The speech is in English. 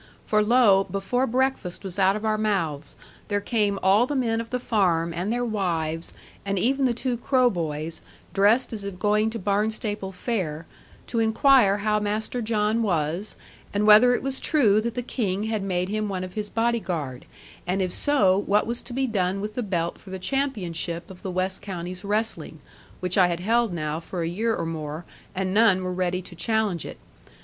For lo, before breakfast was out of our mouths, there came all the men of the farm, and their wives, and even the two crow boys, dressed as if going to Barnstaple fair, to inquire how Master John was, and whether it was true that the King had made him one of his body guard; and if so, what was to be done with the belt for the championship of the West Counties wrestling, which I had held now for a year or more, and none were ready to challenge it.